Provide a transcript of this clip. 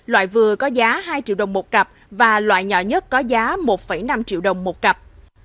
loại vừa có giá hai triệu đồng một cặp và loại nhỏ nhất có giá một năm triệu đồng một cặp